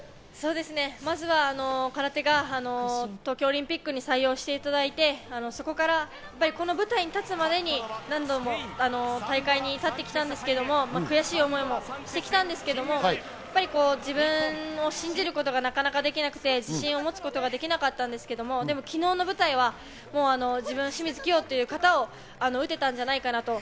まずは空手が東京オリンピックに採用していただいて、そこからこの舞台に立つまでに何度も大会に立ってきたんですけど、悔しい思いもしてきたんですけれども、自分を信じることがなかなかできなくて、自信を持つことができなかったんですけど、昨日の舞台は、清水希容という形をうてたんじゃないかなと。